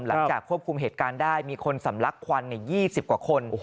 หลังจากควบคุมเหตุการณ์ได้มีคนสำลักควัน๒๐กว่าคน